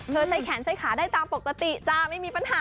ใช้แขนใช้ขาได้ตามปกติจ้าไม่มีปัญหา